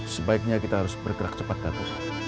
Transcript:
sebaiknya kita harus bergerak cepat datang